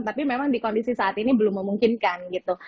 tapi memang di kondisi saat ini belum memungkinkan gitu